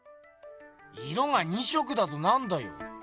色が２色だとなんだよ？